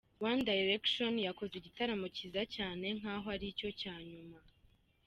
One Direction yakoze igitaramo kiza cyane nk'aho aricyo cya nyuma.